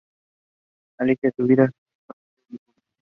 Alicia, su viuda, fue responsable de la publicación.